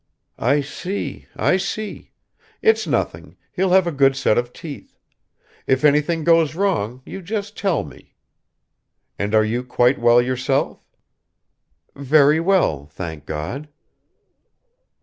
"I see, I see ... It's nothing, he'll have a good set of teeth. If anything goes wrong you just tell me. And are you quite well yourself?" "Very well, thank God."